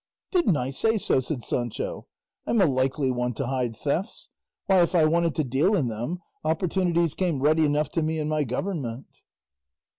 "Didn't I say so?" said Sancho. "I'm a likely one to hide thefts! Why if I wanted to deal in them, opportunities came ready enough to me in my government."